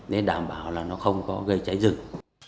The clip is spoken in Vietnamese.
nên đảm bảo là nó không có gây cháy rừng